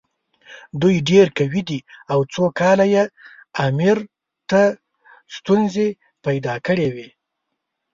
دوی ډېر قوي دي او څو کاله یې امیر ته ستونزې پیدا کړې وې.